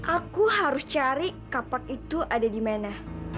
aku harus cari kapak itu ada dimana